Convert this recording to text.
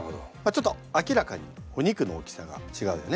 ちょっと明らかにお肉の大きさが違うよね。